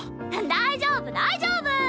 大丈夫大丈夫！